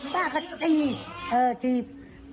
ป้าก็ตีแล้วป้าก็เอาไม้ตีขากันอีก